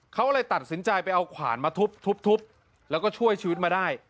เขาเลยตัดสินใจไปเอาขวานมาทุบแล้วก็ช่วยชีวิตมาได้